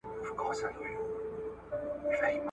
بيا په وينو اوبه کيږي !.